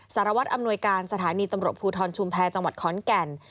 สารวัตรอำนวยการสถานีตำรวจภูทรชุมแพรจังหวัดขอนแก่น